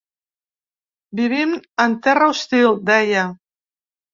Vivim en terra hostil, deia.